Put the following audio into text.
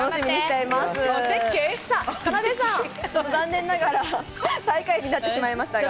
かなでさん、残念ながら最下位になってしまいましたが。